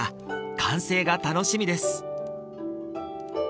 完成が楽しみです